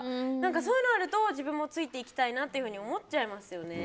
そういうのがあると自分もついていきたいなって思っちゃいますよね。